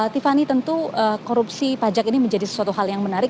tiffany tentu korupsi pajak ini menjadi sesuatu hal yang menarik